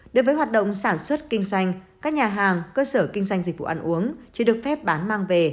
đối với hoạt động sản xuất kinh doanh các nhà hàng cơ sở kinh doanh dịch vụ ăn uống chỉ được phép bán mang về